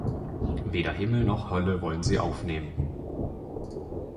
Weder Himmel noch Hölle wollen sie aufnehmen.